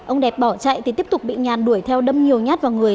ông đẹp bỏ chạy thì tiếp tục bị nhàn đuổi theo đâm nhiều nhát vào người